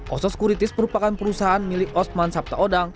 oso securitis merupakan perusahaan milik osman sabtaodang